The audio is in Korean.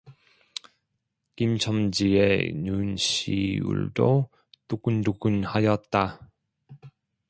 김첨지의 눈시울도 뜨끈뜨끈하였다.